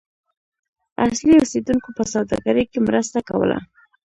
اصلي اوسیدونکو په سوداګرۍ کې مرسته کوله.